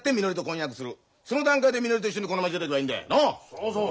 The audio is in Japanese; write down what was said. そうそう！